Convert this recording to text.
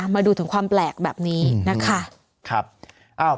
มาดูถึงความแปลกแบบนี้นะคะ